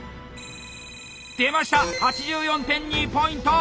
出ました８４．２ポイント！